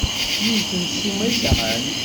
Yiwet n ssuma i sɛant?